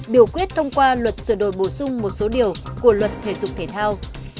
biểu quyết thông qua luật sửa đổi bổ sung một số điều của luật thể dục thể thao